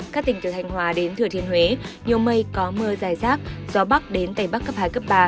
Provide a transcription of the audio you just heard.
các tỉnh từ thanh hòa đến thừa thiên huế nhiều mây có mưa dài rác gió bắc đến tây bắc cấp hai cấp ba